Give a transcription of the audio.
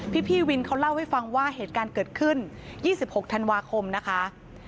พี่วินเขาเล่าให้ฟังว่าเหตุการณ์เกิดขึ้น๒๖ธันวาคมนะคะ